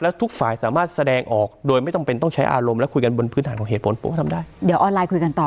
ทุกฝ่ายสามารถแสดงออกโดยไม่จำเป็นต้องใช้อารมณ์และคุยกันบนพื้นฐานของเหตุผลผมก็ทำได้เดี๋ยวออนไลน์คุยกันต่อ